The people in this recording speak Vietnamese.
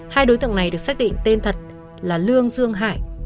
hai đối tượng này được xác định tên thật là lương dương hải